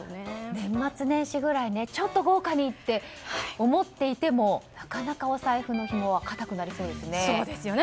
年末年始ぐらいちょっと豪華にって思っていてもなかなか、お財布のひもは固くなりそうですね。